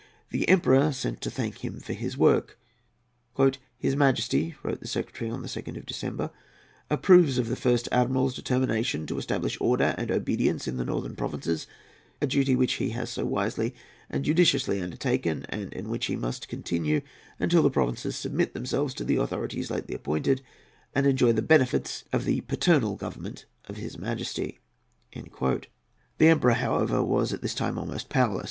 The Emperor sent to thank him for his work. "His Majesty," wrote the secretary on the 2nd of December, "approves of the First Admiral's determination to establish order and obedience in the northern provinces, a duty which he has so wisely and judiciously undertaken, and in which he must continue until the provinces submit themselves to the authorities lately appointed, and enjoy the benefits of the paternal government of his Imperial Majesty." The Emperor, however, was at this time almost powerless.